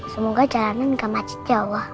semoga jalanan gak macet jauh